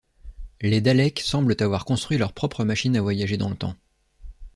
Les Daleks semblent avoir construit leur propre machine à voyager dans le temps.